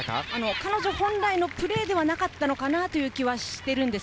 彼女の本来のプレーではなかったのかなという気がしています。